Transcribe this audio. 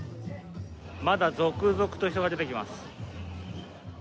まだ続々と人が出てきます。